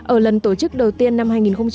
ở lần tổ chức đầu tiên năm hai nghìn một mươi sáu